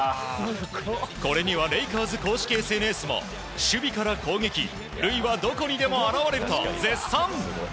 これにはレイカーズ公式ＳＮＳも守備から攻撃塁はどこにでも現れると絶賛。